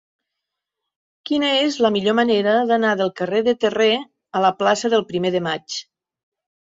Quina és la millor manera d'anar del carrer de Terré a la plaça del Primer de Maig?